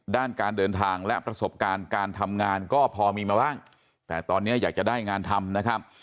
ด้านการเดินทางและประสบการณ์การทำงานก็พอมีมาบ้างแต่ตอนนี้อยากจะได้งานทำนะครับ